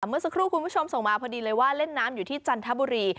เมื่อสักครู่คุณผู้ชมส่งมาพอดีเลยว่าเล่นน้ำอยู่ที่จันทบุรี